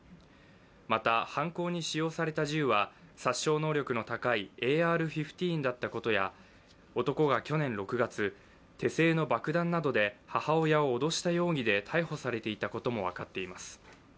また、犯行に使用された銃は殺傷能力の高いＡＲ−１５だったことや男が去年６月、手製の爆弾などで母親を脅した容疑で逮捕されていたことも分かっています。